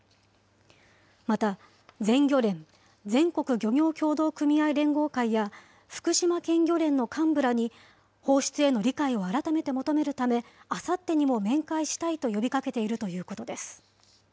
また、全漁連・全国漁業協同組合連合会や福島県漁連の幹部らに、放出への理解を改めて求めるため、あさってにも面会したいと呼びかけているということです。